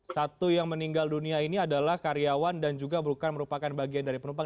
satu yang meninggal dunia ini adalah karyawan dan juga bukan merupakan bagian dari penumpang